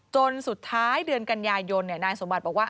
จนสุดท้ายเดือนกันยายนนายสมบัติบอกว่า